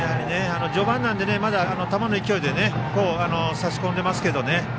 序盤なんでまだ球の勢いで差し込んでいますけどね。